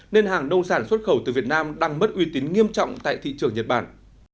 nên hàng nông sản xuất khẩu từ việt nam đang mất uy tín nghiêm trọng tại thị trường nhật bản